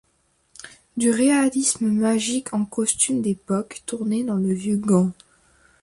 Du réalisme magique en costumes d'époque, tourné dans le vieux Gand.